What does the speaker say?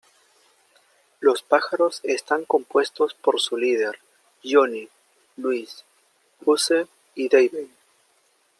Los pájaros están compuestos por su líder Johnny, Louis, Goose y Davey.